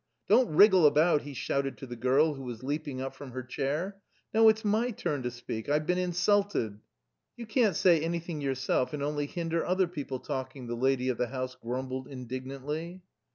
Don't wriggle about!" he shouted to the girl, who was leaping up from her chair. "No, it's my turn to speak, I've been insulted." "You can't say anything yourself, and only hinder other people talking," the lady of the house grumbled indignantly.